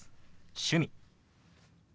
「趣味」。